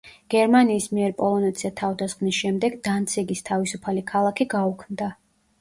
გერმანიის მიერ პოლონეთზე თავდასხმის შემდეგ, დანციგის თავისუფალი ქალაქი გაუქმდა.